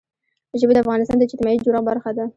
ژبې د افغانستان د اجتماعي جوړښت برخه ده.